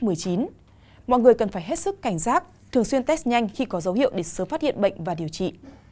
mọi người cần phải hết sức cảnh giác thường xuyên test nhanh khi có dấu hiệu để sớm phát hiện bệnh và điều trị